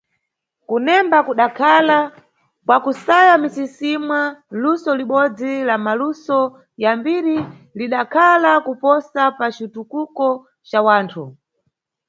Kunemba kudakhala, kwa kusaya msisimwa, luso libodzi la maluso ya mbiri lidakhala kuposa pa citukuko ca wanthu.